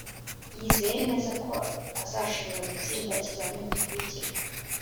yizeye neza ko azashobora gutsinda ikizamini gikurikira